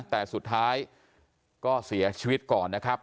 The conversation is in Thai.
แต่สุดท้ายก็เสียชีวิตก่อนนะครับ